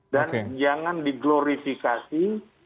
dan jangan diglorifikasi